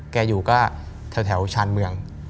แกอยู่ก็แถวชาญเมือง